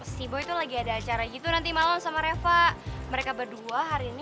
si bo itu lagi ada acara gitu nanti malam sama reva mereka berdua hari ini